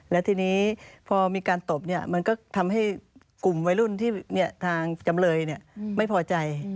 และทีนี้พอมีการตบมันก็ทำให้กลุ่มวัยรุ่นที่ทางจำเลยไม่พอใจ